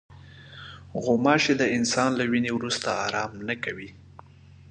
غوماشې د انسان له وینې وروسته آرام نه کوي.